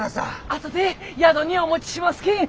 後で宿にお持ちしますけん。